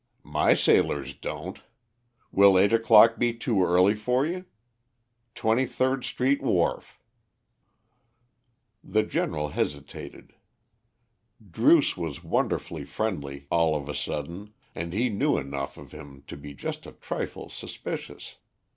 "My sailors don't. Will eight o'clock be too early for you? Twenty third Street wharf." The General hesitated. Druce was wonderfully friendly all of a sudden, and he knew enough of him to be just a trifle suspicious.